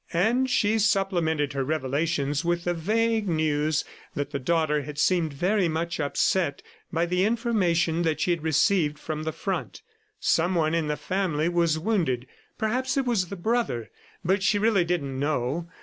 And she supplemented her revelations with the vague news that the daughter had seemed very much upset by the information that she had received from the front. Someone in the family was wounded. Perhaps it was the brother, but she really didn't know.